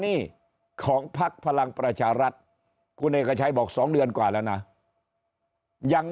หนี้ของพักพลังประชารัฐคุณเอกชัยบอก๒เดือนกว่าแล้วนะยัง